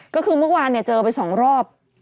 ก็คือเมื่อวานเจอไป๒รอบ